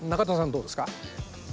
どうですか？